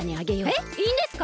えっいいんですか！？